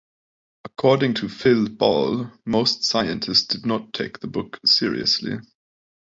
According to Philip Ball, most scientists did not take the book seriously.